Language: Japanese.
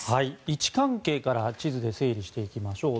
位置関係から地図で整理していきましょう。